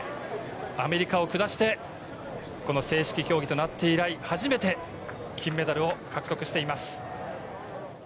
アメリカを下して、この正式競技となって以来初めて金メダルを獲得しています。